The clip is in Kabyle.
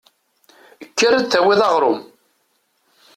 Kker ad d-tawiḍ aɣrum.